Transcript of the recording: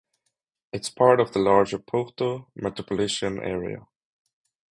It's part of the larger Porto Metropolitan Area.